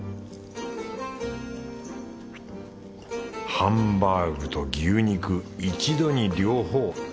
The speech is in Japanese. ハンバーグと牛肉一度に両方。